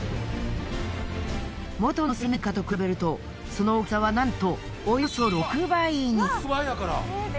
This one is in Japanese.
元のスルメイカと比べるとその大きさはなんとおよそ６倍に。